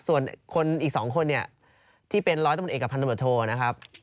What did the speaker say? ส่วนคนอีกสองคนเนี่ยที่เป็นร้อยตำรวจโทรนะครับ